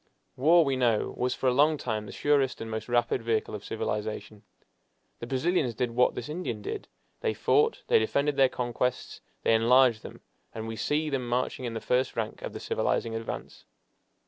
War, we know, was for a long time the surest and most rapid vehicle of civilization. The Brazilians did what this Indian did: they fought, they defended their conquests, they enlarged them, and we see them marching in the first rank of the civilizing advance.